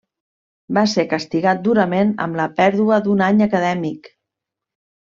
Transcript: Va ser castigat durament amb la pèrdua d'un any acadèmic.